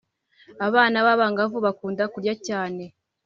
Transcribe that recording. abana b’abangavu bakunda kurya cyane.